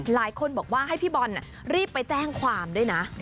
หลายคนบอกว่าให้พี่บอลรีบไปแจ้งความด้วยนะ